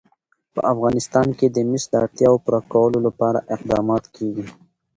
په افغانستان کې د مس د اړتیاوو پوره کولو لپاره اقدامات کېږي.